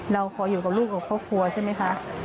เราขออยู่กับลูกกับครอบครัวใช่ไหมคะ